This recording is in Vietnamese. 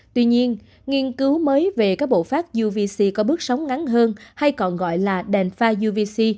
tuy nhiên nghiên cứu mới về các bộ phát uvc có bước sóng ngắn hơn hay còn gọi là đèn pha yuvic